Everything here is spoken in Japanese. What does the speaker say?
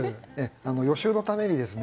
予習のためにですね